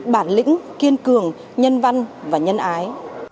bản lĩnh kiên cường nhân văn và nhân ái